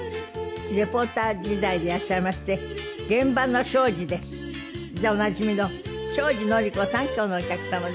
リポーター時代でいらっしゃいまして「現場の東海林です」でおなじみの東海林のり子さん今日のお客様です。